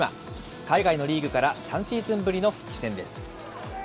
海外のリーグから３シーズンぶりの復帰戦です。